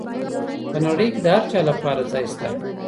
په نړۍ کي د هر چا لپاره ځای سته.